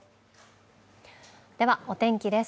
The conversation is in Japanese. ではお天気です